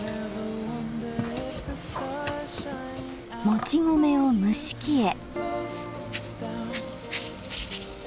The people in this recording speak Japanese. もち米を蒸し器へ。